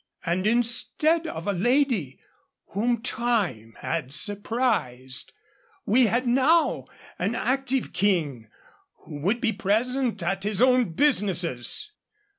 And, instead of a Lady whom time had surprised, we had now an active King, who would be present at his own businesses.